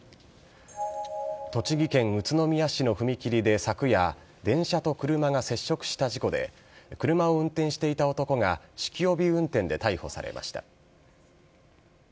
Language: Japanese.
栃木県宇都宮市の踏切で昨夜、電車と車が接触した事故で、車を運転していた男が酒気帯び運転で逮捕されました。